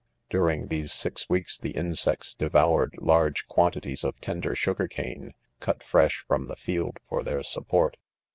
During these six weeks the insects de voured large quantities of tender sugar cane, cut fresh from the field for their support.